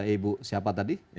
ibu siapa tadi